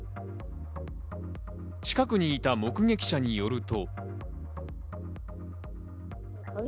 近くにいた目撃者によると。